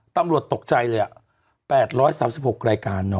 ตำรวจตกใจเลยอ่ะ๘๓๖รายการเนอะ